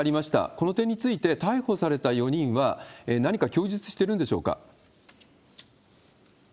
この点について、逮捕された４人は、何か供述してるんでしょうか？